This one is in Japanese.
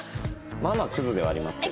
まあまあクズではありますけど。